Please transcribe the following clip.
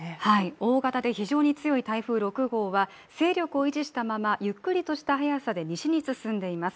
大型で非常に強い台風６号は勢力を維持したままゆっくりとした速さで西に進んでいます。